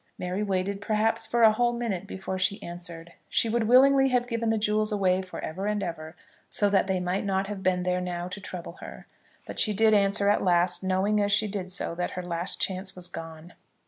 Mary waited, perhaps, for a whole minute before she answered. She would willingly have given the jewels away for ever and ever, so that they might not have been there now to trouble her. But she did answer at last, knowing, as she did so, that her last chance was gone.